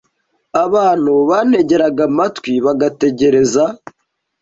Abantu bantegeraga amatwi, bagategereza